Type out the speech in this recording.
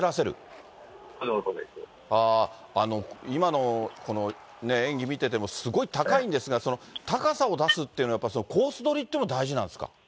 今のこの演技見ててもすごい高いんですが、高さを出すっていうのは、コース取りっていうの大事なんですか。